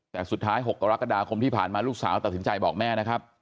แต่สุดท้าย๖กรกฎาคมที่ผ่านมาลูกสาวตัดสินใจบอกแม่นะครับ